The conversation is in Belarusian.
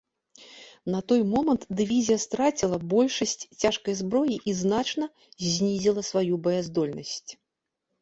На той момант дывізія страціла большасць цяжкай зброі і значна знізіла сваю баяздольнасць.